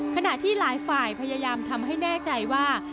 ขณะที่หลายฝ่ายพยายามทำให้แน่ใจว่า